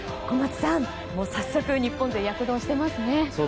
小松さん、早速日本勢、躍動していますね。